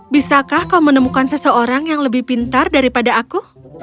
bisakah kau menemukan seseorang yang lebih pintar daripada aku